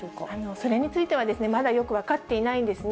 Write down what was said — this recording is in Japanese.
それについては、まだよく分かっていないんですね。